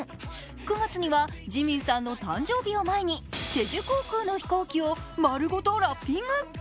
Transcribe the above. ９月にはジミンさんの誕生日を前にチェジュ航空の飛行機をまるごとラッピング。